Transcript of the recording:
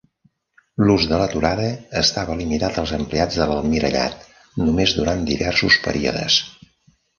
L'ús de l'aturada estava limitat als empleats de l'Almirallat només durant diversos períodes.